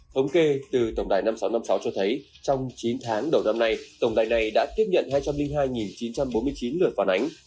thống kê từ tổng đài năm nghìn sáu trăm năm mươi sáu cho thấy trong chín tháng đầu năm nay tổng đài này đã tiếp nhận hai trăm linh hai chín trăm bốn mươi chín lượt phản ánh